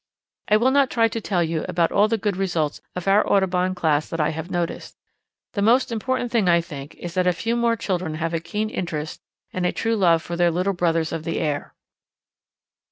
I will not try to tell you about all the good results of our Audubon Class that I have noticed. The most important thing I think is that a few more children have a keen interest and a true love for their little brothers of the air.